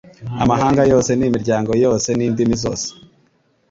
amahanga yose n'imiryango yose n'indimi zose.»